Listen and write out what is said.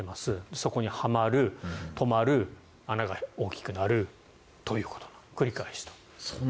そこにはまる、止まる穴が大きくなるということの繰り返しと。